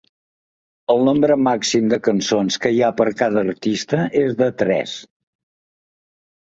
El nombre màxim de cançons que hi ha per cada artista és de tres.